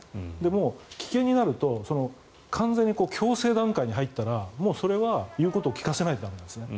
もう危険になると完全に強制段階に入ったらもうそれは言うことを聞かせないと駄目なんですね。